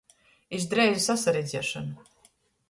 Iz dreizu sasaredziešonu!